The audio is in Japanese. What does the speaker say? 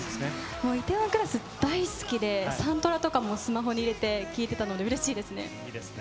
もう梨泰院クラス大好きでサントラとかもスマホに入れて聴いてたので、うれしいですね。